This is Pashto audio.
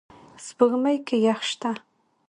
سپوږمۍ کې یخ شته